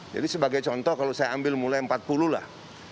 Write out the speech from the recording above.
jadi sebagai contoh kalau saya ambil mulai empat puluh lah